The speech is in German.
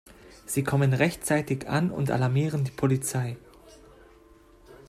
Sie kommen rechtzeitig an und alarmieren die Polizei.